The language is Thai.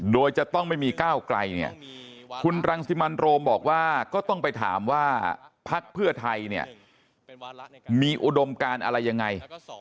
โดยจะต้องไม่มีก้าวไกลเนี่ยคุณรังสิมันโรมบอกว่าก็ต้องไปถามว่าพักเพื่อไทยเนี่ยมีอุดมการอะไรยังไง